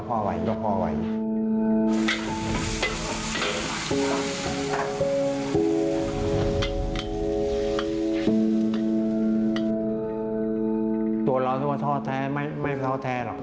ตัวเราที่ว่าท้อแท้ไม่ท้อแท้หรอก